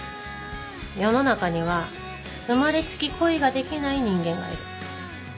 世の中には生まれつき恋ができない人間がいる。